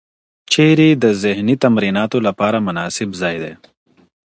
چېري د ذهني تمریناتو لپاره مناسب ځای دی؟